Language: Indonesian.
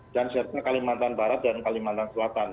dan setelah kalimantan barat dan kalimantan selatan